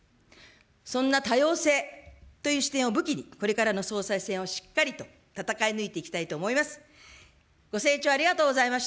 そんな多様性という視点を武器に、これからの総裁選をしっかりと戦い抜いていきたいと思います。